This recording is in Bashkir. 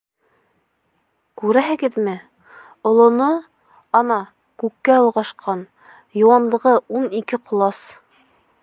Күрәһегеҙме, олоно, ана, күккә олғашҡан, йыуанлығы ун ике ҡолас.